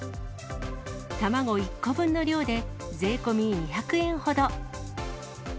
卵１個分の量で、税込み２００円ほど。